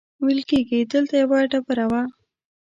ویل کېږي دلته یوه ډبره وه.